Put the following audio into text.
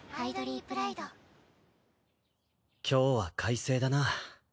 今日は快晴だな。